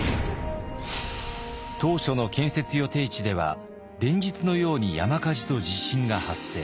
当初の建設予定地では連日のように山火事と地震が発生。